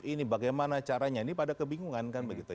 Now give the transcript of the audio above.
ini bagaimana caranya ini pada kebingungan kan begitu